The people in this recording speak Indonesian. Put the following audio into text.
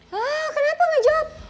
hah kenapa gak jawab